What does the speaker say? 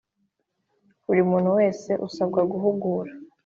Buri muntu wese usabwa guhugura